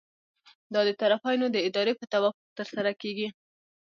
دا د طرفینو د ارادې په توافق ترسره کیږي.